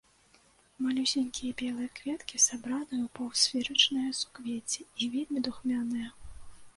Малюсенькія белыя кветкі сабраны ў паўсферычныя суквецці і вельмі духмяныя.